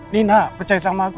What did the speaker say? nina percaya sama aku